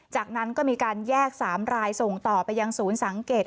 จากนั้นก็มีการแยก๓รายส่งต่อไปยังศูนย์สังเกต